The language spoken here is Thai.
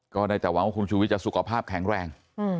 ก็ได้แต่หวังว่าคุณชูวิทย์จะสุขภาพแข็งแรง